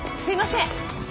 すいません。